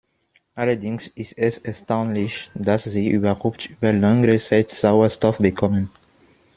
Allerdings ist es erstaunlich, dass sie überhaupt über längere Zeit Sauerstoff bekommen.